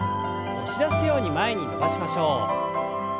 押し出すように前に伸ばしましょう。